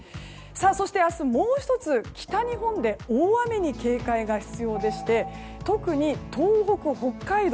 そして、明日もう１つ北日本で大雨に警戒が必要でして特に東北、北海道。